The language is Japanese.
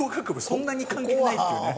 そんなに関係ないっていうね。